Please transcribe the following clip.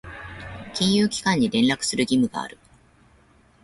金融機関に連絡する義務がある。